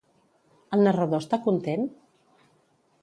El narrador està content?